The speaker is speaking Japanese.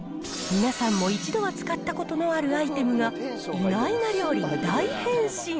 皆さんも一度は使ったことのあるアイテムが、意外な料理に大変身。